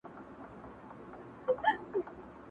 نه له ما سره غمی دی چا لیدلی.